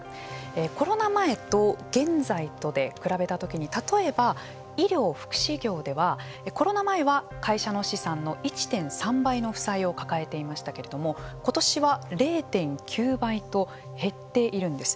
コロナ前と現在とで比べたときに例えば医療・福祉業ではコロナ前は会社の資産の１．３倍の負債を抱えていましたけれどもことしは０．９倍と減っているんです。